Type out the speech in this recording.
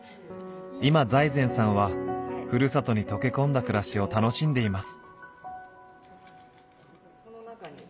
今財前さんはふるさとに溶け込んだ暮らしを楽しんでいます。